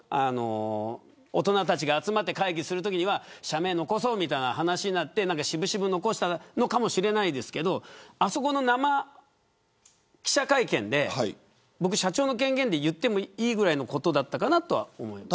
大人たちが集まって会議するときには社名を残そうみたいな話になって渋々残したのかもしれないですけどあそこの生記者会見で社長の権限で言ってもいいぐらいのことだったかなと思います。